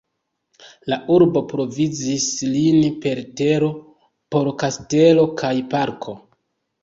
La urbo provizis lin per tero por kastelo kaj parko.